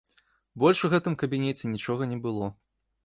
Больш у гэтым кабінеце нічога не было.